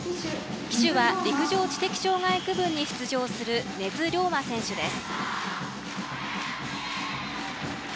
旗手は陸上・知的障害区分に出場する根津亮真選手です。